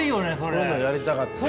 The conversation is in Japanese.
こういうのをやりたかったんやけど。